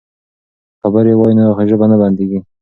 که خبرې وي نو ژبه نه بندیږي.